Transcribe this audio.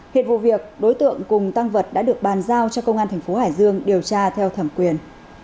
hiện vụ việc đối tượng cùng tăng vật đã được bàn giao cho công an thành phố hải dương điều tra theo thẩm quyền